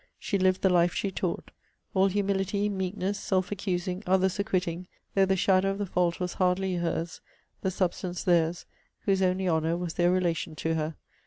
She lived the life she taught. All humility, meekness, self accusing, others acquitting, though the shadow of the fault was hardly hers, the substance their's, whose only honour was their relation to her.